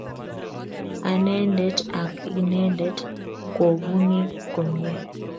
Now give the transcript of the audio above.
Anendet ak inendet ko bunik komye